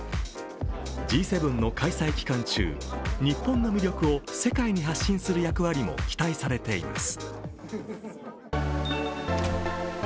Ｇ７の開催期間中、日本の魅力を世界に発信する役割も期待されています。